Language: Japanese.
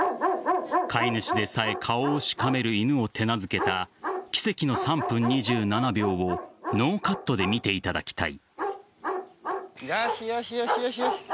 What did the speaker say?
飼い主でさえ顔をしかめる犬を手なずけた奇跡の３分２７秒をノーカットで見ていただきたい。